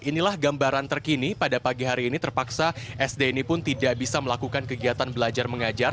inilah gambaran terkini pada pagi hari ini terpaksa sd ini pun tidak bisa melakukan kegiatan belajar mengajar